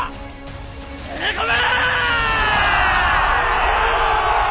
攻め込め！